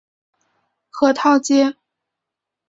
核桃街。